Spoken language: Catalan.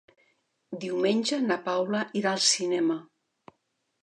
Diumenge na Paula irà al cinema.